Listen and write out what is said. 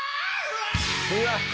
うわっ！